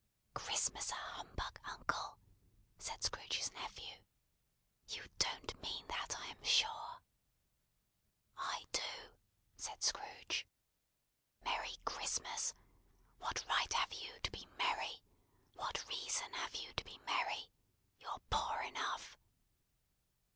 "Christmas a humbug, uncle!" said Scrooge's nephew. "You don't mean that, I am sure?" "I do," said Scrooge. "Merry Christmas! What right have you to be merry? What reason have you to be merry? You're poor enough."